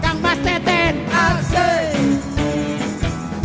kang mas teten asik